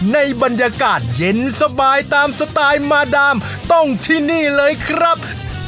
ในบรรยากาศเย็นสบายตามสไตล์มาดามต้องที่นี่เลยครับ